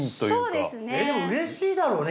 でもうれしいだろうね。